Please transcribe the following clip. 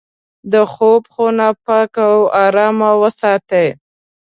د خوب خونه پاکه او ارامه وساتئ.